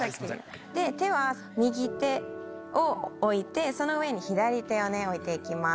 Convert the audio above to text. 手は右手を置いてその上に左手を置いて行きます。